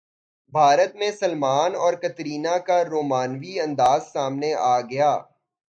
بھارت میں سلمان اور کترینہ کا رومانوی انداز سامنے اگیا